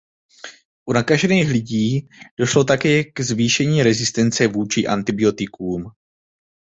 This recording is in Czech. U nakažených lidí došlo také k zvýšení rezistence vůči antibiotikům.